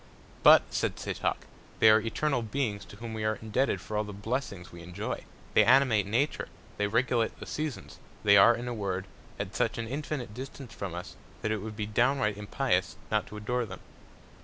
But, said Setoc, they are eternal Beings to whom we are indebted for all the Blessings we enjoy; they animate Nature; they regulate the Seasons; they are, in a Word, at such an infinite Distance from us, that it would be downright impious not to adore them.